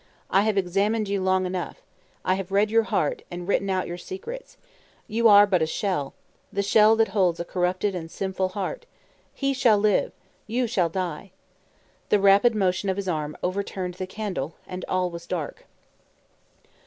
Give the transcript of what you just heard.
"I have examined you long enough. I have read your heart, and written out your secrets! You are but a shell the shell that holds a corrupted and sinful heart. He shall live; you shall die!" The rapid motion of his arm overturned the candle, and all was dark.